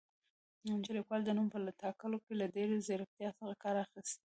چې لیکوال د نوم په ټاکلو کې له ډېرې زیرکتیا څخه کار اخیستی